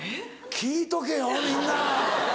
聞いとけよみんな。